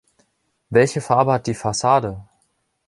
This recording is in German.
Welche Farbe hat die Fassade?